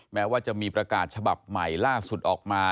แม้ว่าจะมีประกาศฉบับใหม่ล่าสุดออกมา